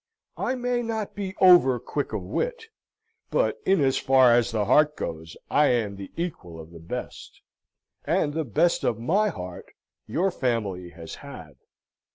I may not be over quick of wit, but in as far as the heart goes, I am the equal of the best, and the best of my heart your family has had."